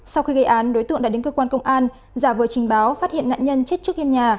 sau khi gây án đối tượng đã đến cơ quan công an giả vờ trình báo phát hiện nạn nhân chết trước hiên nhà